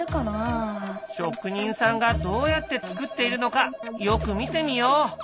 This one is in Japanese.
職人さんがどうやって作っているのかよく見てみよう！